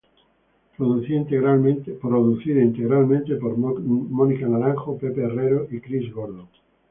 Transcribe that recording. Producida integralmente por Mónica Naranjo, Pepe Herrero y Chris Gordon.